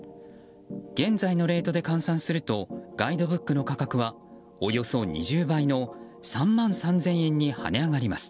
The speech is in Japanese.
現在のレートで換算するとガイドブックの価格はおよそ２０倍の３万３０００円に跳ね上がります。